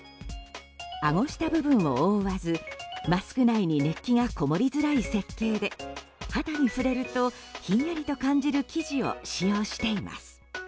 あご下部分を覆わず、マスク内に熱気がこもりづらい設計で肌に触れるとひんやりと感じる生地を使用しています。